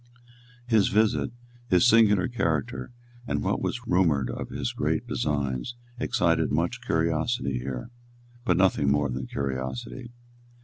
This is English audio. His visit, his singular character, and what was rumoured of his great designs, excited much curiosity here, but nothing more than curiosity.